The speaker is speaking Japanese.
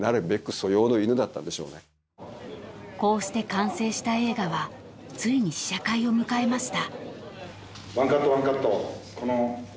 ［こうして完成した映画はついに試写会を迎えました］